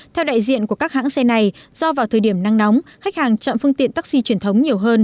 theo đại diện của các hãng xe này do vào thời điểm nắng nóng khách hàng chọn phương tiện taxi truyền thống nhiều hơn